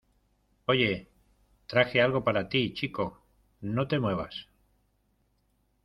Oye, traje algo para ti , chico. ¡ No te muevas!